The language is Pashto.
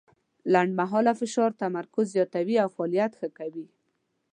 لنډمهاله فشار تمرکز زیاتوي او فعالیت ښه کوي.